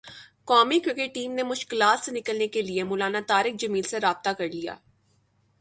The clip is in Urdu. قومی کرکٹ ٹیم نے مشکلات سے نکلنے کیلئے مولانا طارق جمیل سے رابطہ کرلیا